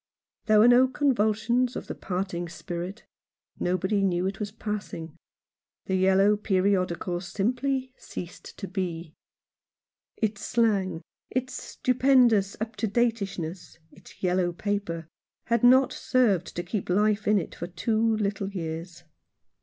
There were no convulsions of the parting spirit. Nobody knew it was passing. The yellow periodical simply ceased to be. Its slang, its stupendous up to dateishness, its yellow paper, had not served to keep life in it for two little years.